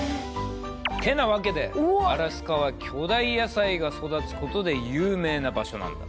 てなわけでアラスカは巨大野菜が育つことで有名な場所なんだ。